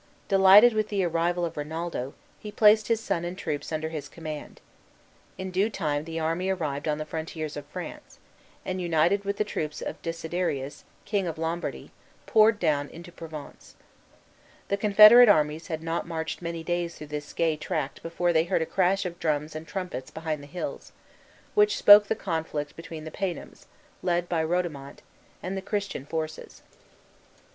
Delighted with the arrival of Rinaldo, he placed his son and troops under his command. In due time the army arrived on the frontiers of France, and, united with the troops of Desiderius, king of Lombardy, poured down into Provence. The confederate armies had not marched many days through this gay tract before they heard a crash of drums and trumpets behind the hills, which spoke the conflict between the paynims, led by Rodomont, and the Christian forces.